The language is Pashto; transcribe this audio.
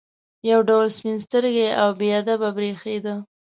یو ډول سپین سترګي او بې ادبي برېښېده.